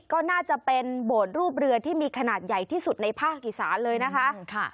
ก็น่าจะเป็นโบสถ์รูปเรือที่มีขนาดใหญ่ที่สุดในภาคอีสานเลยนะคะ